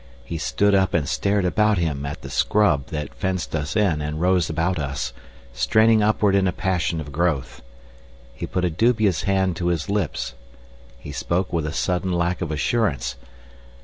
He stood up and stared about him at the scrub that fenced us in and rose about us, straining upward in a passion of growth. He put a dubious hand to his lips. He spoke with a sudden lack of assurance.